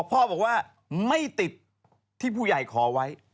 พ่อบอกว่าไม่ติดที่ผู้ใหญ่ขอไว้